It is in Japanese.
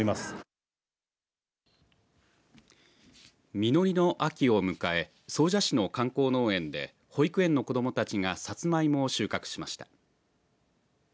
実りの秋を迎え総社市の観光農園で保育園の子どもたちがさつまいもを収穫しました。